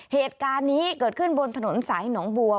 เหตุการณ์นี้เกิดขึ้นบนถนนสายหนองบัว